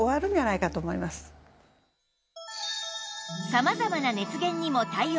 様々な熱源にも対応